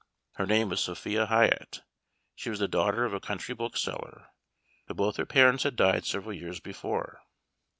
Her name was Sophia Hyatt. She was the daughter of a country bookseller, but both her parents had died several years before.